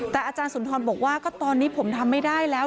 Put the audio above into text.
แต่อาจารย์สุนทรบอกว่าก็ตอนนี้ผมทำไม่ได้แล้ว